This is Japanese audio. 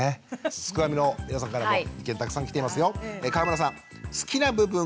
すくファミの皆さんからも意見たくさん来ていますよ。